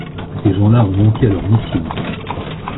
Ces gens-là ont manqué à leur mission.